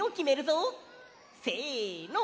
せの！